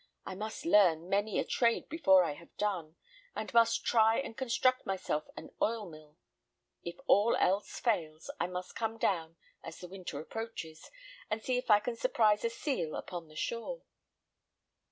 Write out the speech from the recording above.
I must learn many a trade before I have done, and must try and construct myself an oil mill. If all fails, I must come down, as the winter approaches, and see if I can surprise a seal upon the shore."